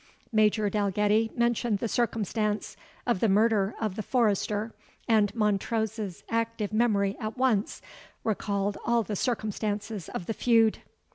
Major Dalgetty mentioned the circumstance of the murder of the forester, and Montrose's active memory at once recalled all the circumstances of the feud.